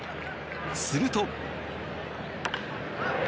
すると。